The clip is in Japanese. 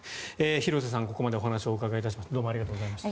廣瀬さん、ここまでお話をお伺いしました。